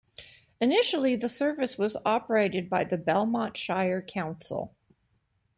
Initially the service was operated by the Belmont Shire Council.